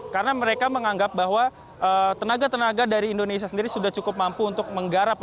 karena mereka menganggap bahwa tenaga tenaga dari indonesia sendiri sudah cukup mampu untuk menggarap